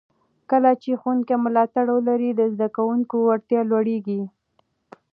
کله چې ښوونکي ملاتړ ولري، د زده کوونکو وړتیا لوړېږي.